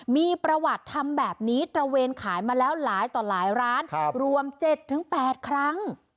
มีประวัติทำแบบนี้ตระเวนขายมาแล้วหลายต่อหลายร้านรวม๗๘ครั้ง